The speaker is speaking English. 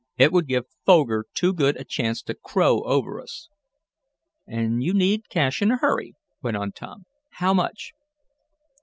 "It would give Foger too good a chance to crow over us." "And you need cash in a hurry," went on Tom. "How much?"